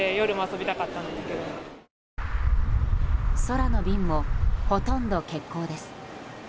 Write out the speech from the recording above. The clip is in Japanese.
空の便も、ほとんど欠航です。